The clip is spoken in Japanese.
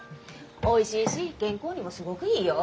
おいしいし健康にもすごくいいよ。